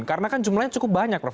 karena kan jumlahnya cukup banyak prof